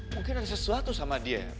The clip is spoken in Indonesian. mungkin ada sesuatu sama dia